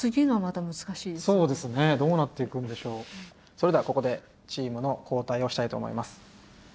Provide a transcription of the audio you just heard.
それではここでチームの交代をしたいと思います。